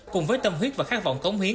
cùng với tâm huyết và khát vọng cống hiến